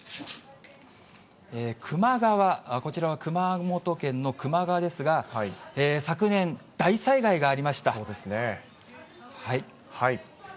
球磨川、こちらは熊本県の球磨川ですが、昨年、大災害がありました。